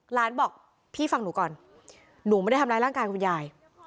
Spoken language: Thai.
หลานบอกพี่ฟังหนูก่อนหนูไม่ได้ทำร้ายร่างกายคุณยาย